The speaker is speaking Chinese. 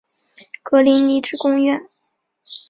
格林尼治宫苑。